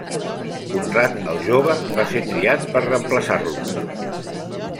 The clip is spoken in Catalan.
Conrad el Jove va ser triat per reemplaçar-lo.